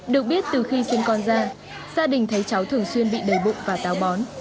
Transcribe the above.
được biết từ khi sinh con ra gia đình thấy cháu thường xuyên bị đầy bụng và táo bón